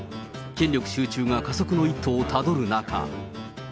権力集中が加速の一途をたどる中。